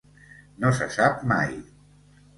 No se sap mai!